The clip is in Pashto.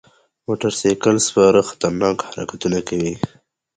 موټر سایکل سپاره خطرناک حرکتونه کوي.